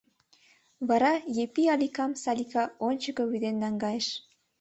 Вара Епи Аликым Салика ончыко вӱден наҥгайыш.